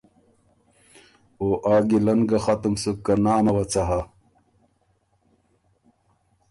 او آ ګیلۀ ن ګه ختُم سُک که نامه وه څۀ هۀ“